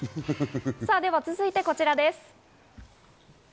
続いてこちらです。